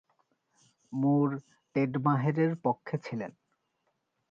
মুর Ted মাহেরের পক্ষে ছিলেন।